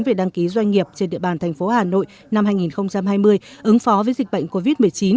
về đăng ký doanh nghiệp trên địa bàn thành phố hà nội năm hai nghìn hai mươi ứng phó với dịch bệnh covid một mươi chín